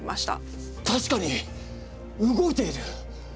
たしかに動いている。